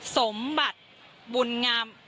สมบัติบุญงาม